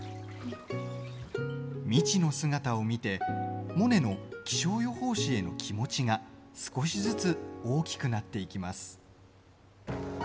未知の姿を見てモネの気象予報士への気持ちが少しずつ大きくなっていきます。